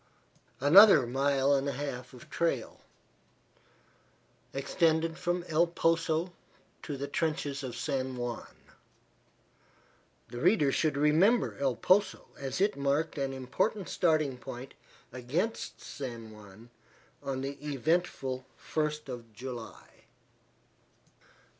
Another mile and a half of trail extended from El Poso to the trenches of San Juan. The reader should remember El Poso, as it marked an important starting point against San Juan on the eventful first of July.